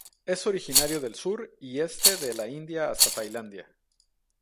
Es originario del sur y este de la India hasta Tailandia.